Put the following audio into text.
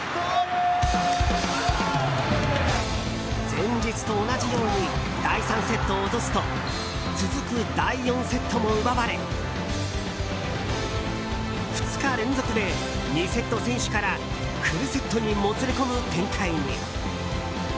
前日と同じように第３セットを落とすと続く第４セットも奪われ２日連続で２セット先取からフルセットにもつれ込む展開に。